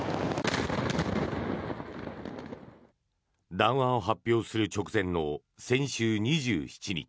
談話を発表する直前の先週２７日